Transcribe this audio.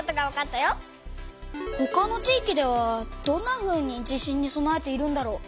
ほかの地域ではどんなふうに地震にそなえているんだろう？